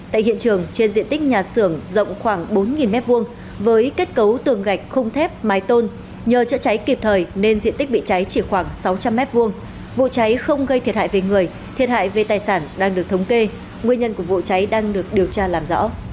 tại hiện trường trên diện tích nhà xưởng rộng khoảng bốn m hai với kết cấu tường gạch không thép mái tôn nhờ chữa cháy kịp thời nên diện tích bị cháy chỉ khoảng sáu trăm linh m hai